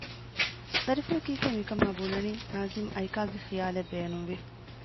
ދަރިފުޅު ކީކޭ މިކަމާ ބުނަނީ؟ ނާޒިމް އައިކާގެ ޚިޔާލެއް ބޭނުންވި